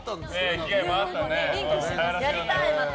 やりたい、また。